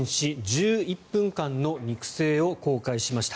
１１分間の肉声を公開しました。